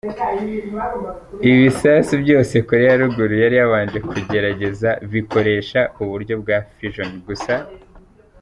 Ibi bisasu byose Koreya ya ruguru yari yabanje kugerageza bikoresha uburyo bwa Fission gusa.